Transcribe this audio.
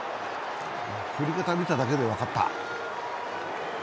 振り方見ただけで分かった。